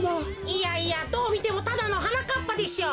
いやいやどうみてもただのはなかっぱでしょう。